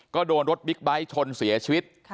ก็โดนรถบิ๊กไบท์ชนเสียชีวิต